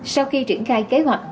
sau khi triển khai kế hoạch